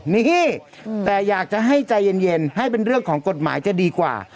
นี่แต่อยากจะให้ใจเย็นให้เป็นเรื่องของกฎหมายจะดีกว่า